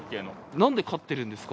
なんで飼ってるんですか？